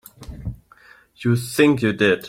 You think you did.